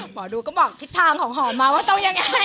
หมอดูก็บอกทิศทางของหอมมาว่าต้องยังไง